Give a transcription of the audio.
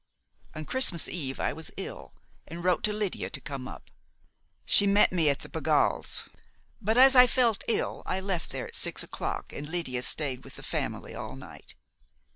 "On Christmas Eve I was ill, and wrote to Lydia to come up. She met me at the Pegalls', but as I felt ill, I left there at six o'clock, and Lydia stayed with the family all night.